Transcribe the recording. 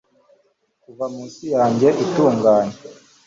kuva mu isi yanjye itunganye